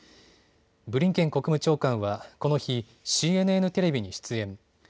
ブリンケン国務長官はこの日ＣＮＮテレビに出演。